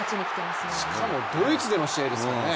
しかもドイツでの試合ですからね。